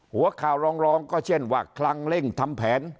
หัวข่าวรองก็เช่นว่าคลังเร่งทำแผน